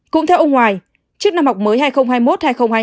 cũng theo ông hoài trước năm học mới hai nghìn hai mươi một hai nghìn hai mươi